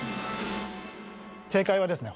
正解はですね